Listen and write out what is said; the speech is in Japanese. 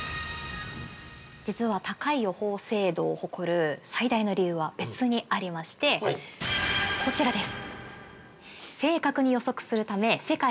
◆実は、高い予報精度を誇る最大の理由は別にありまして、こちらです。